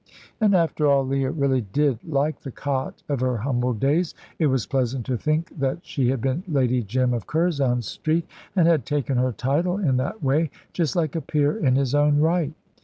And, after all, Leah really did like the cot of her humble days. It was pleasant to think that she had been "Lady Jim of Curzon Street," and had taken her title in that way, just like a peer in his own right.